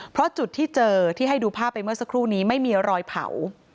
เพราะจุดที่เจอที่ให้ดูภาพไปเมื่อสักครู่นี้ไม่มีรอยเผา